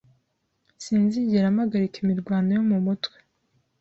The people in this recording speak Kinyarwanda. Sinzigera mpagarika imirwano yo mu mutwe